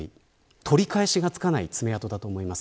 取り返しがつかない爪痕だと思います。